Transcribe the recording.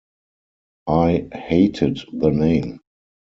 I hated the name.